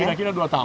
sekitar dua tahun